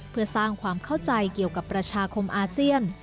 เพื่อสร้างความเข้าใจเกี่ยวกับประชาคมอาเซียน